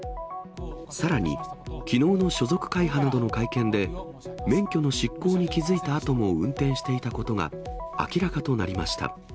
さらに、きのうの所属会派などの会見で、免許の失効に気付いたあとも運転していたことが明らかとなりました。